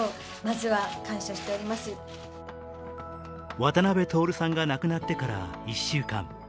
渡辺徹さんが亡くなってから１週間。